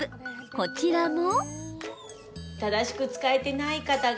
こちらも。